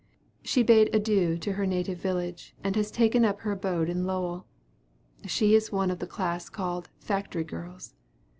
She bade adieu to her native village, and has taken up her abode in Lowell. She is one of the class called "factory girls."